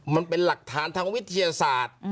มันเป็นหลักฐานทางวิทยาศาสตร์